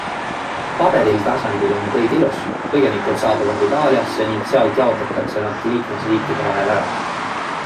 Paberil tasandil on kõik ilus - põgenikud saabuvad Itaaliasse ning sealt jaotatakse nad liikmesriikide vahel ära.